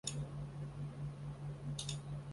常栖息在潮间带至潮下带。